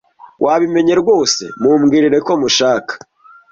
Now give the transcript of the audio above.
Wabimenye rwose. Mumbwirire ko mushaka.